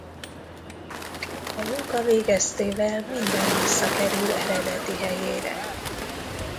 A munka végeztével minden visszakerül eredeti helyére.